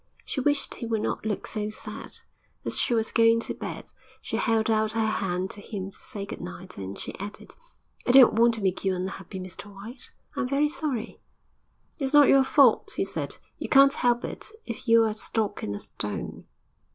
She wished he would not look so sad. As she was going to bed, she held out her hand to him to say good night, and she added, 'I don't want to make you unhappy, Mr White. I'm very sorry.' 'It's not your fault,' he said. 'You can't help it, if you're a stock and a stone.'